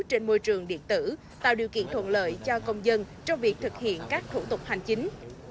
trên môi trường điện tử tạo điều kiện thuận lợi cho công dân trong việc thực hiện các thủ tục hành chính